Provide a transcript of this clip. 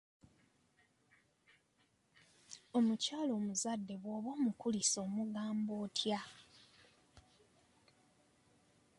Omukyala omuzadde bw'oba omukulisa omugamba otya?